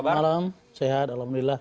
selamat malam sehat alhamdulillah